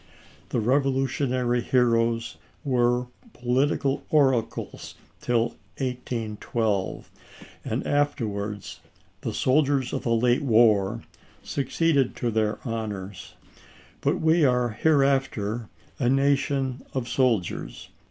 The Revolutionary heroes were political oracles till 1812, and afterwards the 4 soldiers of the late war' succeeded to their honors. But we are hereafter a nation of soldiers.